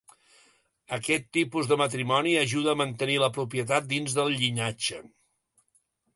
Aquest tipus de matrimoni ajuda a mantenir la propietat dins del llinatge.